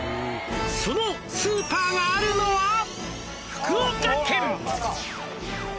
「そのスーパーがあるのは」